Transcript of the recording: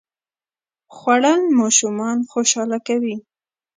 خوړل ماشومان خوشاله کوي